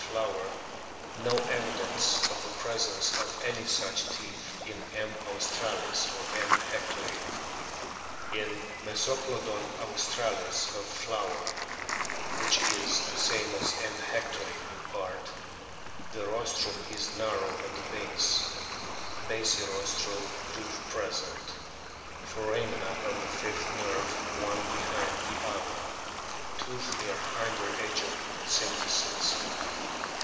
Flower, "no evidence of the presence of any such teeth in M, australis or M. hectori" In Mesoplodon aitstralis of Flowert (which is the same as M. kectori in part), the rostrum is narrow at the base ; basirostral groove present ; foramina of fifth nerve one behind the other. Tooth near hinder edge of symphysis.